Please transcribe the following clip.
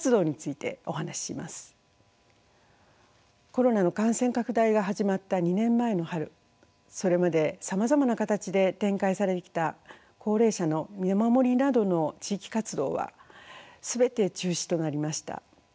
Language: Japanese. コロナの感染拡大が始まった２年前の春それまでさまざまな形で展開されてきた高齢者の見守りなどの地域活動は全て中止となりました。